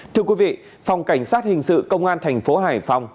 thưa quý vị phòng cảnh sát hình sự công an tp hải phòng